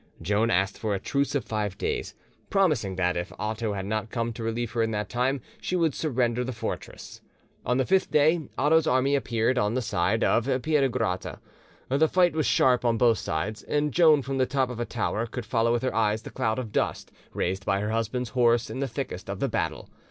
Joan asked for a truce of five days, promising that, if Otho had not come to relieve her in that time, she would surrender the fortress. On the fifth day Otho's army appeared on the side of Piedigrotta. The fight was sharp on both sides, and Joan from the top of a tower could follow with her eyes the cloud of dust raised by her husband's horse in the thickest of the battle.